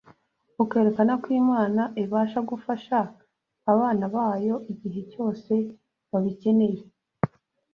ukerekana ko Imana ibasha gufasha abana bayo igihe cyose babikeneye